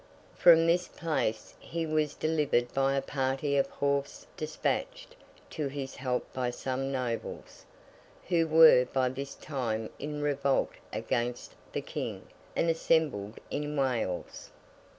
From this place he was delivered by a party of horse despatched to his help by some nobles, who were by this time in revolt against the King, and assembled in Wales.